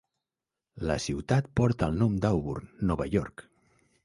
La ciutat porta el nom d'Auburn, Nova York.